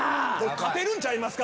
勝てるんちゃいますか？